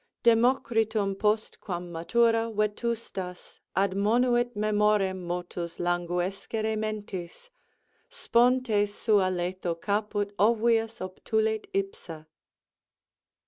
Democritum postquam matura vetustas Admonuit memorem motus languescere mentis; Sponte sua letho caput obvius obtulit ipse.